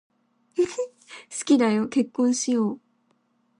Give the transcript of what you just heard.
好きだよ、結婚しよう。